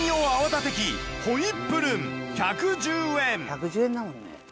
１１０円だもんね。